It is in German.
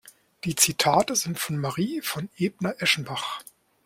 Die Zitate sind von Marie von Ebner-Eschenbach.